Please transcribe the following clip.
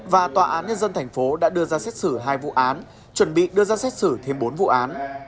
và tòa án nhân dân thành phố đã đưa ra xét xử hai vụ án chuẩn bị đưa ra xét xử thêm bốn vụ án